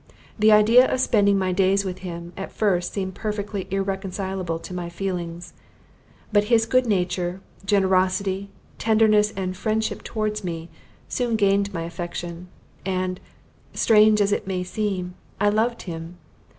The idea of spending my days with him, at first seemed perfectly irreconcilable to my feelings: but his good nature, generosity, tenderness, and friendship towards me, soon gained my affection; and, strange as it may seem, I loved him!